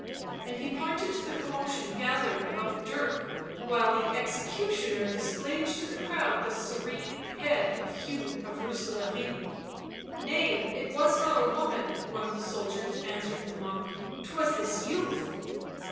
And he pointed to the commotion gathered about Dirk, while the executioner displayed to the crowd the serene head of Hugh of Rooselaare. " Nay, it was not a woman," one of the soldiers answered the monk, " 'twas this youth."